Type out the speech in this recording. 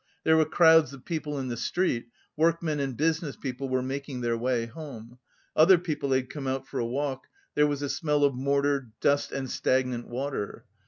There were crowds of people in the street; workmen and business people were making their way home; other people had come out for a walk; there was a smell of mortar, dust and stagnant water.